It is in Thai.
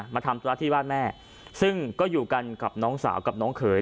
ทำธุระที่บ้านแม่ซึ่งก็อยู่กันกับน้องสาวกับน้องเขย